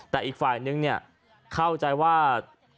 แต่อีกฝ่ายนึงเข้าใจว่า